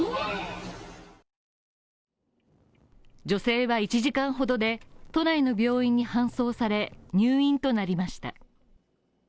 女性は１時間ほどで都内の病院に搬送され、入院となりました。